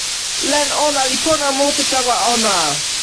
len ona li pona mute tawa ona.